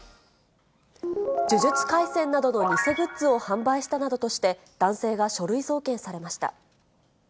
呪術廻戦などの偽グッズを販売したなどとして、男性が書類送検されました。